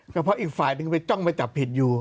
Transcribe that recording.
ก็เพราะอีกฝ่ายหนึ่งไปจ้องไปจับผิดอยู่